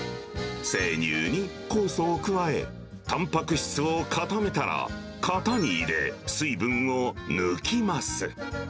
生乳に酵素を加え、たんぱく質を固めたら、型に入れ、水分を抜きます。